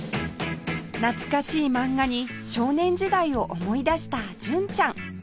懐かしい漫画に少年時代を思い出した純ちゃん